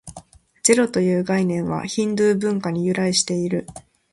ゼロという概念は、ヒンドゥー文化に由来している。